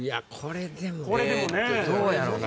これでもどうやろうな。